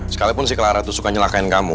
sekalipun si clara itu suka nyelakain kamu